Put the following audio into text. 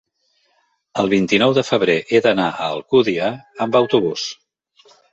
El vint-i-nou de febrer he d'anar a Alcúdia amb autobús.